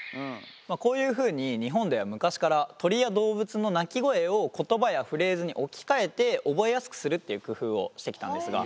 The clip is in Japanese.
こういうふうに日本では昔から鳥や動物の鳴き声を言葉やフレーズに置き換えて覚えやすくするっていう工夫をしてきたんですが。